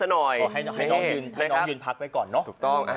ให้น้องยืนพักไปก่อนเนอะ